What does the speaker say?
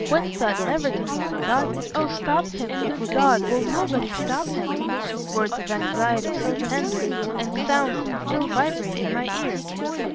whence that never to be forgotten oh stop him! good God! will nobody stop him! Words of anxiety so tender! and sounds that still vibrate in my ear!"